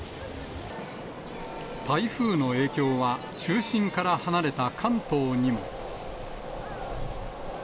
台風の影響は、中心から離れた関東にも。